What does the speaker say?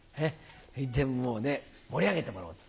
そいでもうね盛り上げてもらおうと。